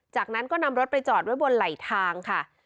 จากนั้นก็นำรถไปจอดไว้บนไหลทางค่ะ